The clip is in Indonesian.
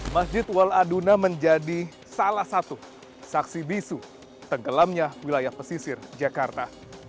masjid wal aduna menjadi salah satu saksi bisu tenggelamnya wilayah pesisir jakarta